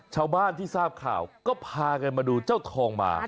ชาวบ้านที่ทราบข่าวก็พากันมาดูเจ้าทองมา